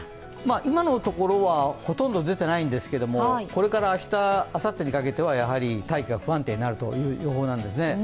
今のところはほとんど出ていないんですが、これから明日、あさってにかけてはやはり大気が不安定になるという予報なんですね。